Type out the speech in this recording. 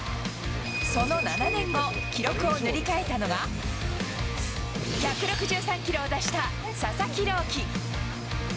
その７年後、記録を塗り替えたのが、１６３キロを出した佐々木朗希。